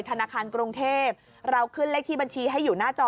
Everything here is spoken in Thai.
ธนาคารกรุงเทพเราขึ้นเลขที่บัญชีให้อยู่หน้าจอ